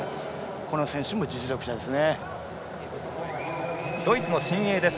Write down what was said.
この選手も実力者です。